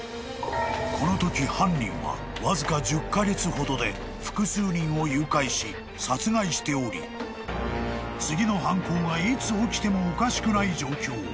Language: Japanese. ［このとき犯人はわずか１０カ月ほどで複数人を誘拐し殺害しており次の犯行がいつ起きてもおかしくない状況］